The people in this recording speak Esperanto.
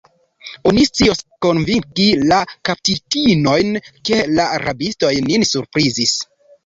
Oni scios konvinki la kaptitinojn, ke la rabistoj nin surprizis.